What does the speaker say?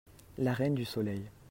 La Reine du soleil.